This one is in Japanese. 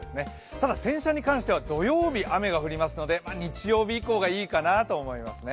ただ、洗車に関しては土曜日に雨が降りますので、日曜日以降がいいかなと思いますね。